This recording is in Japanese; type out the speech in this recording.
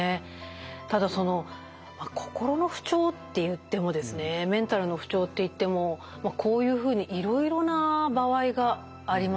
ただその心の不調っていってもですねメンタルの不調っていってもこういうふうにいろいろな場合がありますよね。